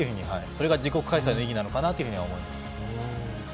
それが自国開催の意義なのかなと思います。